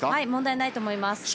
問題ないと思います。